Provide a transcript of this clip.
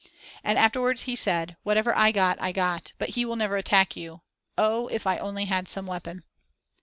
And afterwards he said: "Whatever I got, I got, but he will never attack you. Oh, if I only had some weapon!"